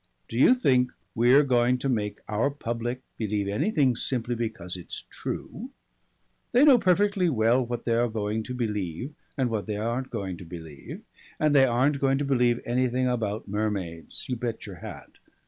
"Do you think we're going to make our public believe anything simply because it's true? They know perfectly well what they are going to believe and what they aren't going to believe, and they aren't going to believe anything about mermaids you bet your hat.